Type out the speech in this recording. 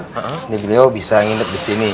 jadi beliau bisa nginep disini